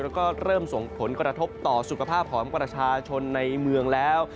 แล้วก็เริ่มส่งผลกระทบต่อสุขภาพของประชาชนในเมืองแล้ว